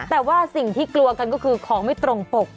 แต่ว่าสิ่งที่กลัวกันก็คือของไม่ตรงปก